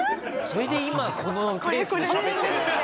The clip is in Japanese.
それで今このペースでしゃべってるんですか？